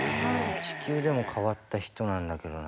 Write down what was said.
地球でも変わった人なんだけどな。